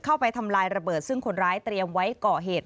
เข้าไปทำลายระเบิดซึ่งคนร้ายเตรียมไว้ก่อเหตุ